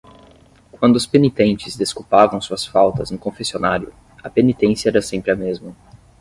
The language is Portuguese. Quando os penitentes desculpavam suas faltas no confessionário, a penitência era sempre a mesma.